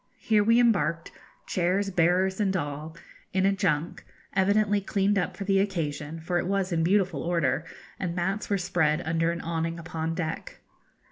Here we embarked chairs, bearers, and all, in a junk, evidently cleaned up for the occasion, for it was in beautiful order, and mats were spread under an awning upon deck.